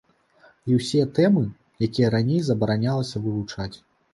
І ўсе тэмы, якія раней забаранялася вывучаць.